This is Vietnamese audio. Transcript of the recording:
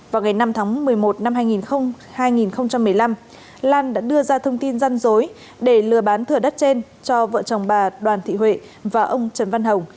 vào ngày năm tháng một mươi một năm hai nghìn một mươi năm lan đã đưa ra thông tin gian dối để lừa bán thửa đất trên cho vợ chồng bà đoàn thị huệ và ông trần văn hồng